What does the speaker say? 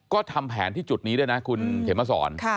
ก็ทำแผนที่จุดนี้ด้วยนะคุณเขมสอน